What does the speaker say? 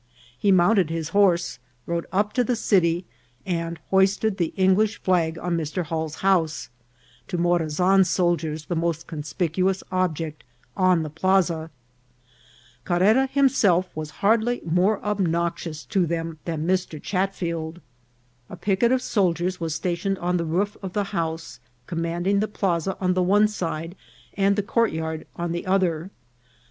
He mounted his horse, rode up to the city, and hoisted the English flag on Mr. Hall's house, to Morazan's soldiers the most conspicuous object on the plaza. Carrera himself was hardly more obnoxious to DEFEAT OF MORAZAN. 113 them than Mr. Chatfield. A picket of soldiers was sta tioned on the roof of the house, commanding the plaza on the one side and the courtyard on the other.